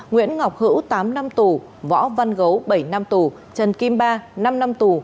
nguyễn ngọc hữu tám năm tù võ văn gấu bảy năm tù trần kim ba năm năm tù